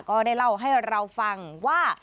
ก็ได้เล่าให้เราฟังว่า